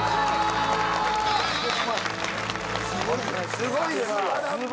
すごいですよ！